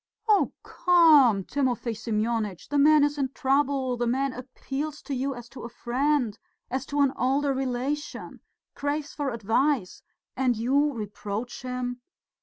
"Oh, come, Timofey Semyonitch! The man is in trouble, the man appeals to you as to a friend, as to an older relation, craves for advice and you reproach him.